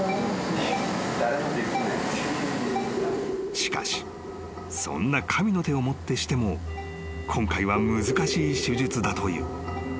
［しかしそんな神の手をもってしても今回は難しい手術だという］